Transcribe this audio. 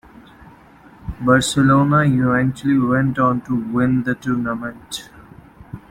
Barcelona eventually went on to win the tournament.